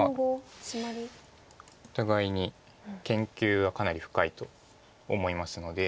お互いに研究はかなり深いと思いますので。